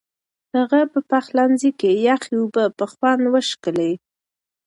هغه په پخلنځي کې یخې اوبه په خوند وڅښلې.